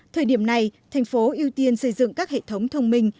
thời điểm này thành phố ưu tiên xây dựng các hệ thống thông minh